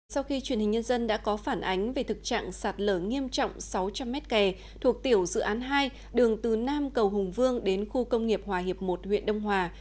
sau khi truyền hình nhân dân đã có phản ánh về thực trạng sạt lở nghiêm trọng sáu trăm linh m kè thuộc tiểu dự án hai đường từ nam cầu hùng vương đến khu công nghiệp hòa hiệp một huyện đông hòa